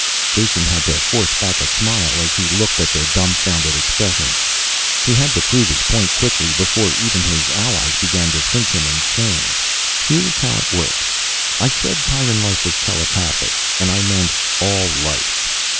Jason had to force back a smile as he looked at their dumfounded expressions. He had to prove his point quickly, before even his allies began to think him insane. "Here is how it works. I said Pyrran life was telepathic and I meant all life.